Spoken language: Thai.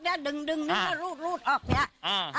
เดี๋ยวดึงดึงหนึ่งแล้วรูดรูดออกเนี่ย